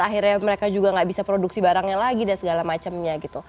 akhirnya mereka juga nggak bisa produksi barangnya lagi dan segala macamnya gitu